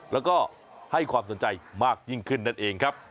แล้วก็ให้ความสนใจมากยิ่งขึ้นนั่นเองครับ